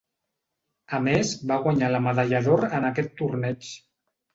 A més va guanyar la medalla d'or en aquest torneig.